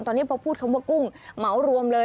ตอนนี้พอพูดคำว่ากุ้งเหมารวมเลย